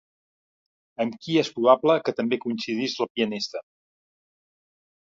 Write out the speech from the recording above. Amb qui és probable que també coincidís la pianista?